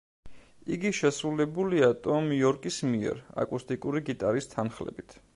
იგი შესრულებულია ტომ იორკის მიერ, აკუსტიკური გიტარის თანხლებით.